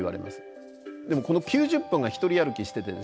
でもこの９０分がひとり歩きしててですね